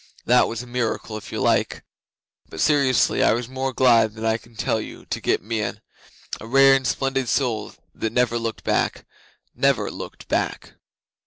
That was a miracle, if you like! But seriously, I was more glad than I can tell you to get Meon. A rare and splendid soul that never looked back never looked back!